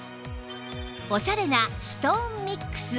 オシャレなストーンミックス